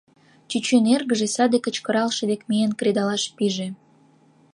Чӱчӱн эргыже саде кычкыралше дек миен кредалаш пиже.